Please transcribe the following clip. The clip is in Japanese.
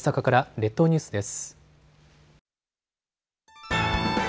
列島ニュースです。